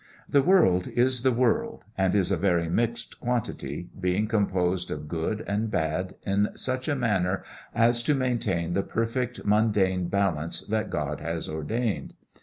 The world is the world and is a very mixed quantity, being composed of good and bad in such a manner as to maintain the perfect mundane balance that God has ordained.